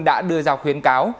đã đưa ra khuyến cáo